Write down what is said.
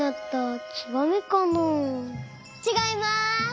ちがいます。